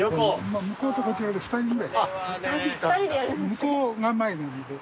向こうが前なので。